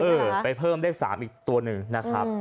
เออไปเพิ่มเลข๓อีกตัวหนึ่งนะครับ